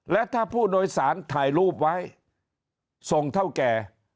และถ้าผู้โดยสารถ่ายรูปไว้ส่งเท่าแก่